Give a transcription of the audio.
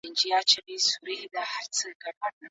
کبابي په خپل دوکان کې رنګارنګ مسالې لرلې.